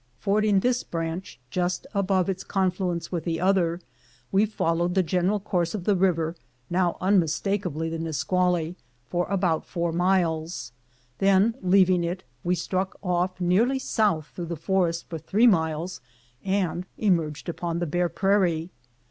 Fording this branch just above its con fluence with the other, we followed the general course of the river, now unmistakably the Nisqually, for about four miles ; then, leaving it, we struck off nearly south through the forest for three miles, and emerged upon the Bear Prairie.